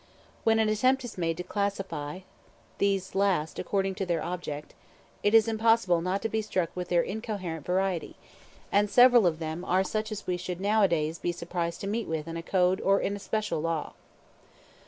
When an attempt is made to classify these last according to their object, it is impossible not to be struck with their incoherent variety; and several of them are such as we should nowadays be surprised to meet with in a code or in a special law.